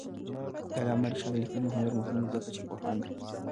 د علامه رشاد لیکنی هنر مهم دی ځکه چې پوهاند دی.